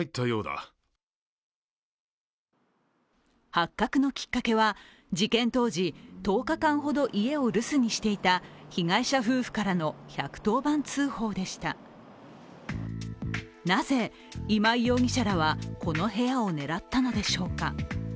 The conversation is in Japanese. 発覚のきっかけは、事件当時、１０日間ほど家を留守にしていた被害者夫婦からの１１０番通報でしたなぜ今井容疑者らはこの部屋を狙ったのでしょうか。